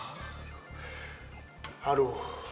kita ke rumah